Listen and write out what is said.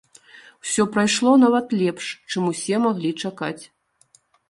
Усё прайшло нават лепш, чым усе маглі чакаць.